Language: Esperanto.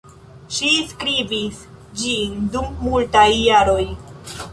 Ŝi skribis ĝin dum multaj jaroj.